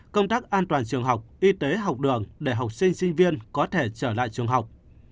công tác an toàn trường học y tế học đường để học sinh sinh viên có thể trở lại trường học